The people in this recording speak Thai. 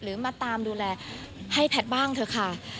มาตามดูแลให้แพทย์บ้างเถอะค่ะ